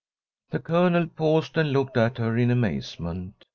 The Colonel paused and looked at her in amazement.